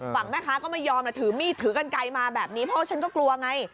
แม่ค้าก็ไม่ยอมแล้วถือมีดถือกันไกลมาแบบนี้เพราะฉันก็กลัวไง